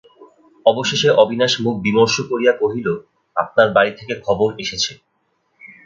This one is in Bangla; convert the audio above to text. অবশেষে অবিনাশ মুখ বিমর্ষ করিয়া কহিল, আপনার বাড়ি থেকে খবর এসেছে।